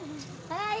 はい。